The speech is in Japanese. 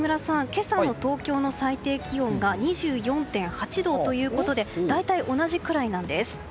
今朝の東京の最低気温が２４．８度ということで大体同じくらいなんです。